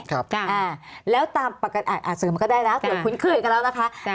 ครับแล้วตามปกติเสริมก็ได้นะตรวจคุณคืนกันแล้วนะคะ